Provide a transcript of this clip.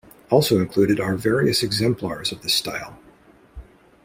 Also included are various exemplars of this style.